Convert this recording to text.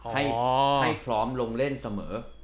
ให้พร้อมลงเล่นเสมอ